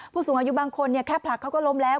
ผู้สูงอายุบางคนแค่ผลักเขาก็ล้มแล้ว